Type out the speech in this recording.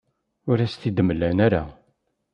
Ur as-t-id-mlan ara.